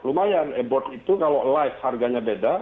lumayan e board itu kalau live harganya beda